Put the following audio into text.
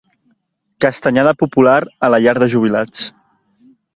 Castanyada popular a la llar de jubilats.